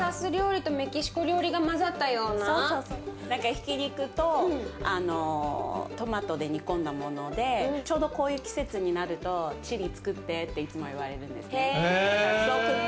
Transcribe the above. ひき肉とトマトで煮込んだものでちょうどこういう季節になるとチリつくってっていつも言われるんです。